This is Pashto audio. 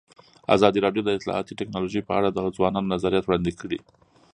ازادي راډیو د اطلاعاتی تکنالوژي په اړه د ځوانانو نظریات وړاندې کړي.